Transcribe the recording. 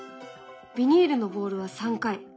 ビニールのボールは３回。